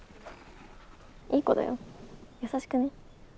いい子だよ優しくね。